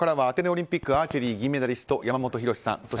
アテネオリンピックアーチェリー銀メダリストの山本博さん